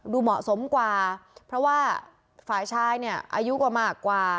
เหมาะสมกว่าเพราะว่าฝ่ายชายเนี่ยอายุกว่ามากกว่า